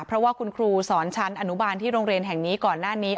เพราะว่าคุณครูสอนชั้นอนุบาลที่โรงเรียนแห่งนี้ก่อนหน้านี้